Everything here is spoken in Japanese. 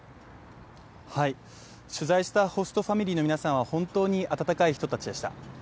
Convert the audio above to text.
取材したホストファミリーの皆さんは本当に温かい人たちでした。